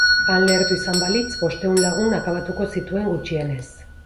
Han lehertu izan balitz, bostehun lagun akabatuko zituen gutxienez.